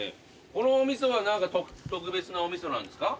このお味噌は何か特別なお味噌なんですか？